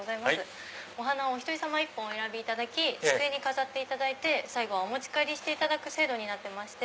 お花をお１人様１本お選びいただき机に飾って最後はお持ち帰りしていただく制度になってまして。